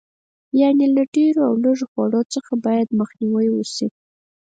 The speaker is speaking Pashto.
یعنې له ډېر او لږ خوړلو څخه باید مخنیوی وشي.